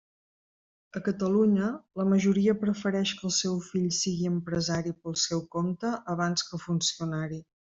A Catalunya, la majoria prefereix que el seu fill sigui empresari pel seu compte abans que funcionari.